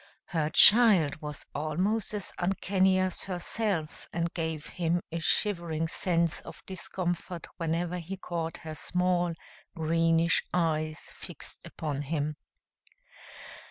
Her child was almost as uncanny as herself and gave him a shivering sense of discomfort whenever he caught her small, greenish eyes fixed upon him.